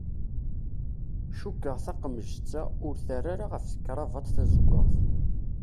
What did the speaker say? Cukkeɣ taqemǧet-a ur terra ara ɣef tekrabaṭ tazeggaɣt.